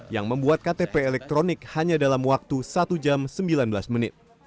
yang membuat ktp elektronik hanya dalam waktu satu jam sembilan belas menit